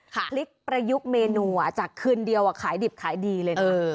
พลิกประยุกต์เมนูจากคืนเดียวขายดิบขายดีเลยนะ